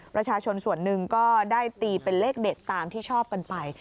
ประชาชนส่วนหนึ่งก็ได้ตีเป็นเลขเด็ดตามที่ชอบกันไป